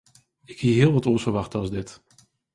Ik hie hiel wat oars ferwachte as dit.